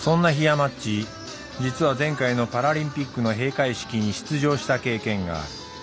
まっち実は前回のパラリンピックの閉会式に出場した経験がある。